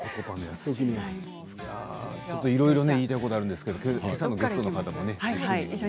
いろいろ言いたいことはあるんですけれどきょうのゲストの方ね。